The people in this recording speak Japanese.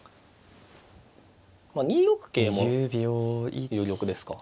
２六桂も有力ですか。